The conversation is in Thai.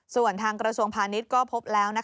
ส่วนทางกระทรวงพาณิชย์ก็พบแล้ว